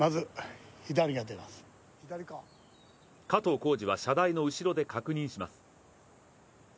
加藤浩次は射台の後ろで確認します。